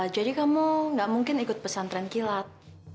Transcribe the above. jadi kamu gak mungkin ikut pesan tranquilat